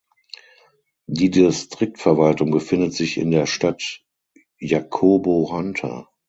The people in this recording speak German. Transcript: Die Distriktverwaltung befindet sich in der Stadt Jacobo Hunter.